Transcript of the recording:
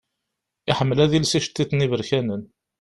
Iḥemmel ad iles iceṭṭiḍen iberkanen.